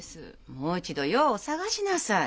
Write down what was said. もう一度よう捜しなさい。